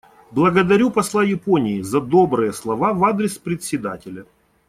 Благодарю посла Японии за добрые слова в адрес Председателя.